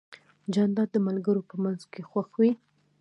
جانداد د ملګرو په منځ کې خوښ وي.